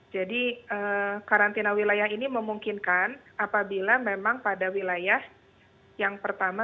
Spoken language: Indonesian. jadi karantina wilayah ini memungkinkan apabila memang pada wilayah yang pertama